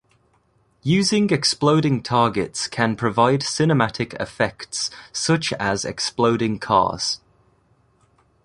Using exploding targets can provide cinematic effects such as exploding cars.